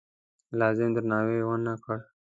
لازم درناوی ونه کړ.